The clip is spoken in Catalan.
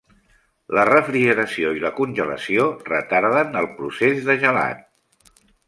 La refrigeració i la congelació retarden el procés de gelat.